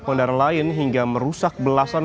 pengendara lain hingga merusak belasan